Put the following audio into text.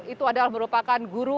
itu adalah merupakan guru